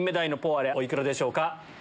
お幾らでしょうか？